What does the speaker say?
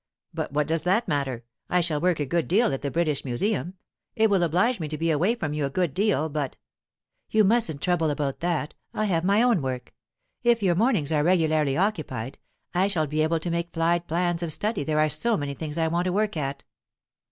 But what does that matter? I shall work a good deal at the British Museum. It will oblige me to be away from you a good deal, but " "You mustn't trouble about that. I have my own work. If your mornings are regularly occupied, I shall be able to make flied plans of study there are so many things I want to work at."